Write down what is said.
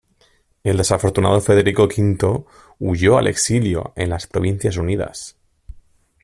El desafortunado Federico V huyó al exilio en las Provincias Unidas.